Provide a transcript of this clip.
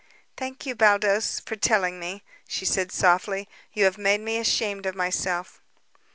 "Thank you, Baldos, for telling me," she said softly. "You have made me ashamed of myself."